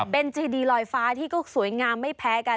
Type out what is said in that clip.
เป็นเจดีลอยฟ้าที่ก็สวยงามไม่แพ้กัน